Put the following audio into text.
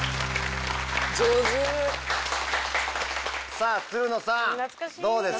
さあつるのさんどうですか？